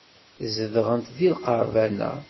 Zedɣent deg lqerban-a.